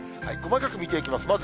細かく見ていきます。